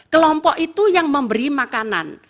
kelompok itu yang memberi makanan